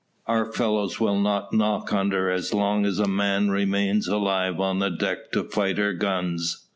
"Our fellows will not knock under as long as a man remains alive on the deck to fight her guns."